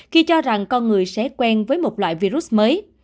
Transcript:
khi cho rằng con người sẽ quen với một loại virus mới